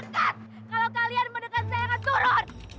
dekat kalau kalian mendekat saya akan turun